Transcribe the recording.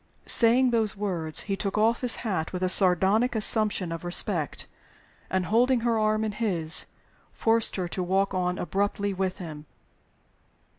Saying those words, he took off his hat with a sardonic assumption of respect; and, holding her arm in his, forced her to walk on abruptly with him.